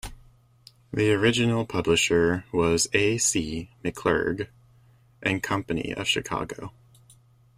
The original publisher was A. C. McClurg and Company of Chicago.